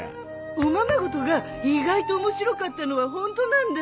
おままごとが意外と面白かったのはホントなんだ。